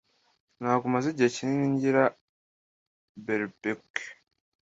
Ntabwo maze igihe kinini ngira barbecue.